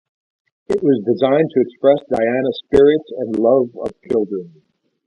It was designed to express Diana's spirit and love of children.